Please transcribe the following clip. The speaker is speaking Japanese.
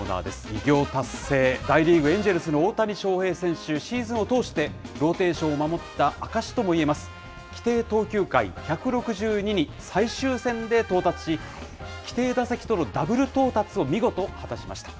偉業達成、大リーグ・エンジェルスの大谷翔平選手、シーズンを通してローテーションを守った証しともいえます、規定投球回１６２に最終戦で到達し、規定打席とのダブル到達を見事果たしました。